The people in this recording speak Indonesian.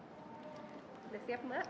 sudah siap mbak